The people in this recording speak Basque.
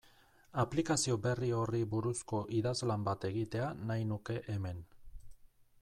Aplikazio berri horri buruzko idazlan bat egitea nahi nuke hemen.